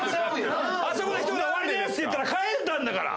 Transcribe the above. あそこでひと言「終わりです」って言ったら帰れたんだから！